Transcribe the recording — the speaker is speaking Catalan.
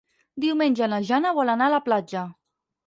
Diumenge na Jana vol anar a la platja.